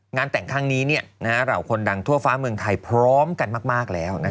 งานแต่งครั้งนี้เหล่าคนดังทั่วฟ้าเมืองไทยพร้อมกันมากแล้ว